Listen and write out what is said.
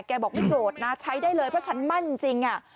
บอกไม่โกรธนะใช้ได้เลยเพราะฉันมั่นจริง